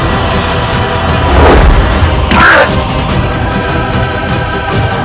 mata lu tarik ke mana